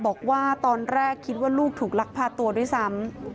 บอกว่าตอนแรกคิดว่าลูกถูกลักพาตัวด้วยซ้ำ